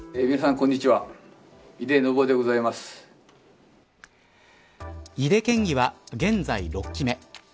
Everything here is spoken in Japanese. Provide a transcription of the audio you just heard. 井手県議は、現在６期目。